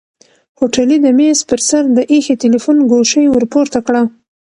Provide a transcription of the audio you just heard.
هوټلي د مېز پر سر د ايښي تليفون ګوشۍ ورپورته کړه.